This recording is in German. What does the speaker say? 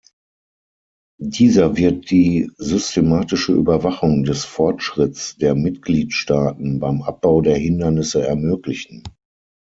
Dieser wird die systematische Überwachung des Fortschritts der Mitgliedstaaten beim Abbau der Hindernisse ermöglichen.